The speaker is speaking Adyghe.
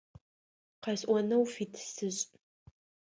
Къэсӏонэу фит сышӏ.